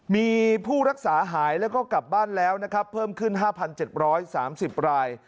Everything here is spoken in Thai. มีผู้รักษาหายแล้วก็กลับบ้านแล้วนะครับเพิ่มขึ้น๕๗๓๐ราย